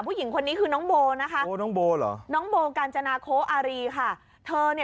ผู้หญิงคนนี้คือน้องโบ้นะคะน้องโบ้กาญจนโคอารีค่ะโบ้น้องโบ้เหรอ